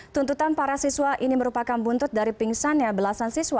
tuntutan para siswa ini merupakan buntut dari pingsannya belasan siswa